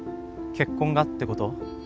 結婚がってこと？